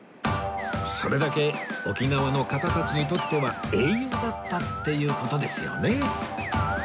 それだけ沖縄の方たちにとっては英雄だったっていう事ですよね